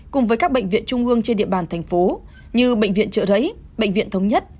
cùng với các bệnh viện trung ương trên địa bàn thành phố như bệnh viện trợ rẫy bệnh viện thống nhất